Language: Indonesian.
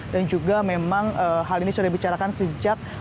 dan juga memang hal ini sudah dibicarakan secara matang